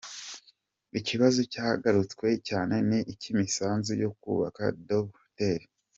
Ikibazo cyagarutsweho cyane ni icy’imisanzu yo kubaka Dove Hotel.